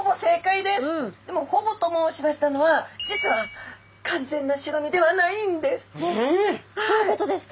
もうでも「ほぼ」と申しましたのはえっどういうことですか？